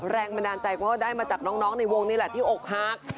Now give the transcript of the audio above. แรงบันดาลใจก็ได้มาจากน้องในวงนี่แหละที่อกฮัก